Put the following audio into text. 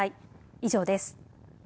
以上です。